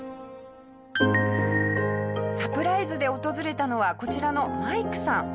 サプライズで訪れたのはこちらのマイクさん。